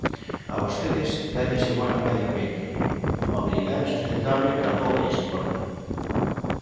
A vostedes dálles igual o medio ambiente; a mobilidade sustentable tampouco lles importa.